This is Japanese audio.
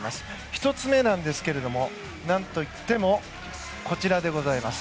１つ目ですが、何といってもこちらでございます。